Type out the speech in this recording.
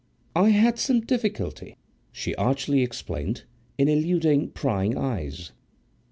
"I had some difficulty," she archly explained, "in eluding prying eyes."